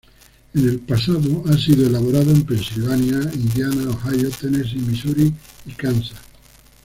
En el pasado, ha sido elaborado en Pensilvania, Indiana, Ohio, Tennessee, Misuri y Kansas.